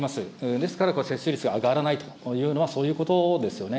ですからこれ、接種率が上がらないというのは、そういうことですよね。